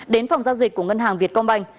đến phòng giao dịch của ngân hàng việt công banh